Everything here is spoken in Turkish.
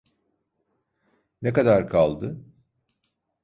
Ne kadar kaldı?